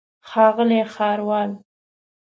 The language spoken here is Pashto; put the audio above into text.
ښاغلی ښاروال.